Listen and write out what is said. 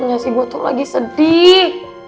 nyasi gue tuh lagi sedih